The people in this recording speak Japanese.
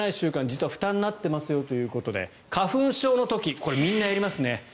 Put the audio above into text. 実は負担になっていますよということで花粉症の時、みんなやりますね。